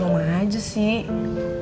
gak apa apa aja sih